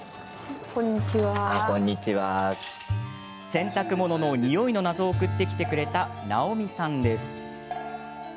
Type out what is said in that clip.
洗濯物のニオイの謎を送ってきてくれたなおみさんです。